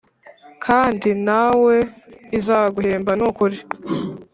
kandi nawe izaguhemba nukuri."